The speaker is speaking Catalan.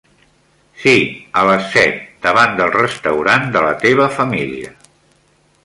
Sí, a les set, davant del restaurant de la teva família.